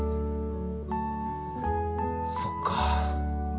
そっか。